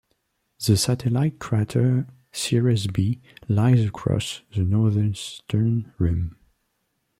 The satellite crater Seares B lies across the northeastern rim.